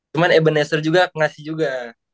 cuman ebenezer juga pengasih juga